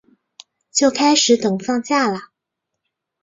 就开始等放假啦